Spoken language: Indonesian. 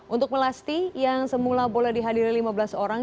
untuk melasti yang semula boleh dihadiri lima belas orang